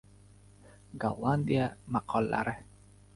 Gollandiya maqollari